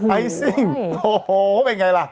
ไอซิ่งโอ้โหเป็นไงล่ะ